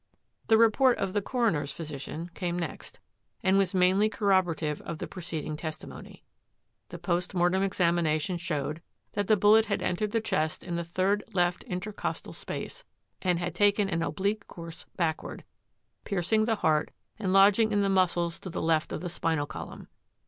The report of the coroner's physician came next and was mainly corroborative of the preced ing testimony. The post mortem examination showed that the bullet had entered the chest in the third left intercostal space and had taken an oblique course backward, piercing the heart and lodging in the muscles to the left of the spinal col umn.